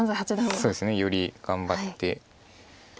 そうですねより頑張って。